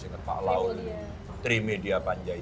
lalu pak menarik sosok bumega seperti apa pak